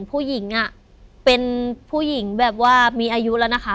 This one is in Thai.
ผู้หญิงเป็นผู้หญิงแบบว่ามีอายุแล้วนะคะ